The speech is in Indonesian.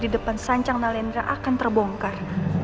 di depan sancang nalendra akan terbongkar